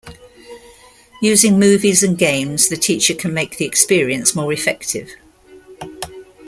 Using movies and games the teacher can make the experience more effective.